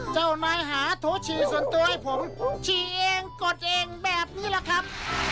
เจ้านายหาโถฉี่ส่วนตัวให้ผมฉี่เองกดเองแบบนี้แหละครับ